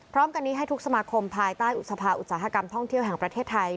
พร้อมกันนี้ให้ทุกสมาคมภายใต้อุสภาอุตสาหกรรมท่องเที่ยวแห่งประเทศไทย